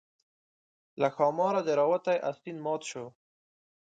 له ښاماره دې راوتى استين مات شو